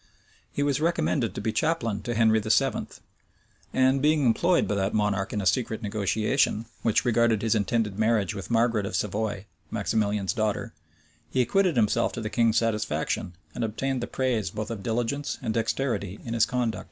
[*] He was recommended to be chaplain to Henry VII.; and being employed by that monarch in a secret negotiation, which regarded his intended marriage with Margaret of Savoy, Maximilian's daughter, he acquitted himself to the king's satisfaction, and obtained the praise both of diligence and dexterity in his conduct.